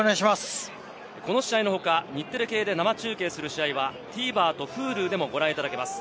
この試合の他、日テレ系で生中継する試合はＴＶｅｒとＨｕｌｕでもご覧いただけます。